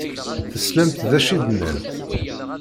Teslamt d acu i d-nnan?